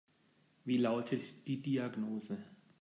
Wie lautet die Diagnose?